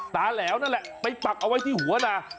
แหลวนั่นแหละไปปักเอาไว้ที่หัวนะ